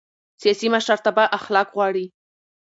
سیاسي مشرتابه اخلاق غواړي